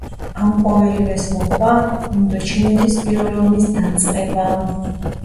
ამ ყოველივეს მოჰყვა ინდოჩინეთის პირველი ომის დაწყება.